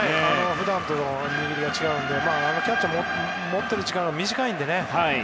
普段と握りが違うのでキャッチャーも持ってる時間が短いのでね